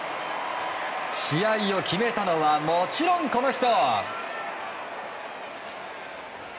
試合を決めたのはもちろん、この人！